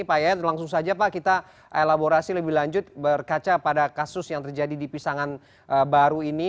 pak yayat langsung saja pak kita elaborasi lebih lanjut berkaca pada kasus yang terjadi di pisangan baru ini